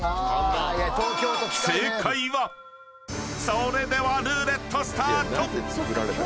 ［それではルーレットスタート！］